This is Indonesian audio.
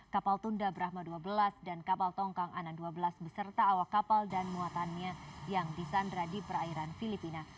kapal tunda brahma dua belas dan kapal tongkang anan dua belas beserta awak kapal dan muatannya yang disandra di perairan filipina